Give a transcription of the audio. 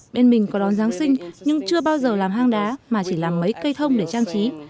bên mình có đón giáng sinh nhưng chưa bao giờ làm hang đá mà chỉ làm mấy cây thông để trang trí